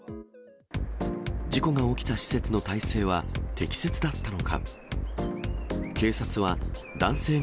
事故が起きた施設の体制は適切だったのか。